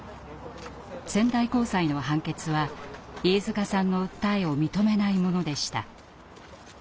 仙台高裁の判決は飯塚さんの訴えを認めないものでした。